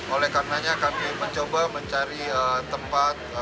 oleh karenanya kami mencoba mencari tempat